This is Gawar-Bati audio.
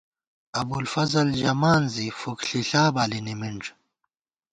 ابُوالفضل ژَمان زی، فُک ݪِݪلا بالی نِمِنݮ